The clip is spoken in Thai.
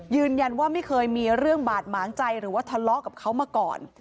ยืนยันว่าไม่เคยมีเรื่องบาดหมางใจหรือว่าทะเลาะกับเขามาก่อน